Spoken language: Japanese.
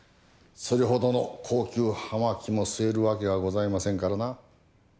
それほどの高級葉巻も吸えるわけがございませんからな。